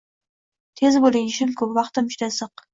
Tez bo’ling, Ishim ko’p. Vaqtim juda ziq.